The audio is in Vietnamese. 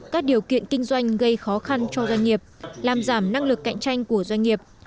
các điều kiện kinh doanh gây khó khăn cho doanh nghiệp làm giảm năng lực cạnh tranh của doanh nghiệp